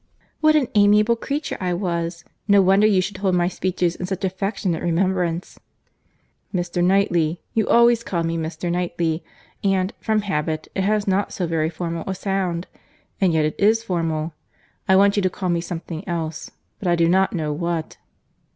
"What an amiable creature I was!—No wonder you should hold my speeches in such affectionate remembrance." "'Mr. Knightley.'—You always called me, 'Mr. Knightley;' and, from habit, it has not so very formal a sound.—And yet it is formal. I want you to call me something else, but I do not know what."